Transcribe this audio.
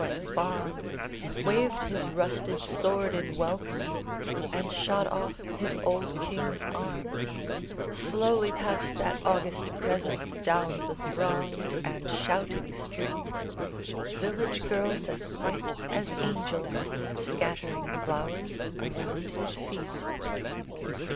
and farm, Waved his rusted sword in welcome, And shot off his old king's arm, Slowly passed that august Presence Down the thronged and shouting street; Village girls as white as angels Scattering flowers around his feet.